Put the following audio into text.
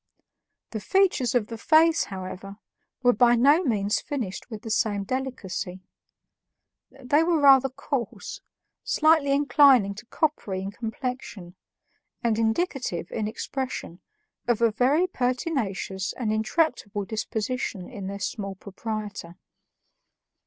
The features of the face, however, were by no means finished with the same delicacy; they were rather coarse, slightly inclining to coppery in complexion, and indicative, in expression, of a very pertinacious and intractable disposition in their small proprietor.